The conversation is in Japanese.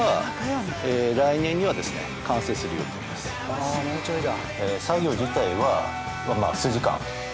あもうちょいだ。